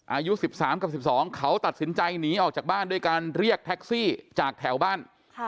อายุ๑๓กับ๑๒เขาตัดสินใจหนีออกจากบ้านด้วยการเรียกแท็กซี่จากแถวบ้าน